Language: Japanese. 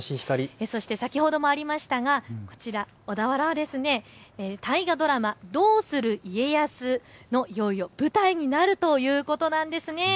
先ほどもありましたが小田原は大河ドラマ、どうする家康の舞台になるということなんです。